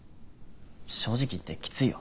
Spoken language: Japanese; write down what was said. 正直言ってきついよ